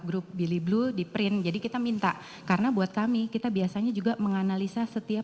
grup billy blue di print jadi kita minta karena buat kami kita biasanya juga menganalisa setiap